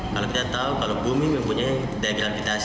kalau kita tahu kalau bumi mempunyai daya gravitasi